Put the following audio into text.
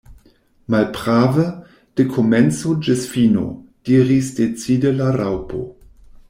"Malprave, de komenco ĝis fino," diris decide la Raŭpo.